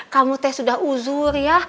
kamu teh sudah uzur ya